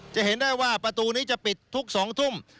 จะเห็นได้ว่าประตูนี้จะปิดทุก๒ทุ่ม